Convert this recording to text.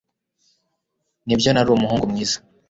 Nibyo nari umuhungu mwiza